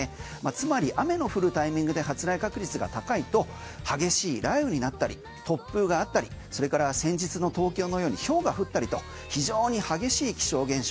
つまり雨の降るタイミングで発雷確率が高いと激しい雷雨になったり突風があったりそれから先日の東京のようにひょうが降ったりと非常に激しい気象現象